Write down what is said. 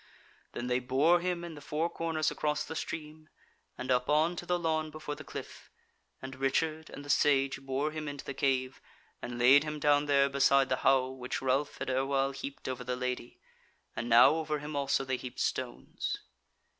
Then they bore him in the four corners across the stream, and up on to the lawn before the cliff; and Richard and the Sage bore him into the cave, and laid him down there beside the howe which Ralph had erewhile heaped over the Lady; and now over him also they heaped stones.